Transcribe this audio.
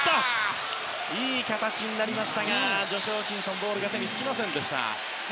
いい形になりましたがジョシュ・ホーキンソンボールが手につきませんでした。